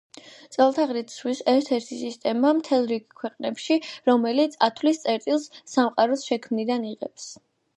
წელთაღრიცხვის ერთ-ერთი სისტემა მთელ რიგ ქვეყნებში, რომელიც ათვლის წერტილს სამყაროს შექმნიდან იღებს.